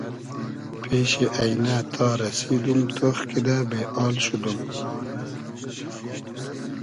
پېشی اݷنۂ تا رئسیدوم ، تۉخ کیدۂ بې آل شودوم